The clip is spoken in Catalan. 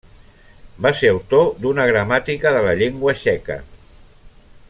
Va ser autor d'una gramàtica de la llengua txeca.